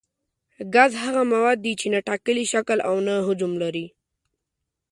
ګاز هغه مواد دي چې نه ټاکلی شکل او نه حجم لري.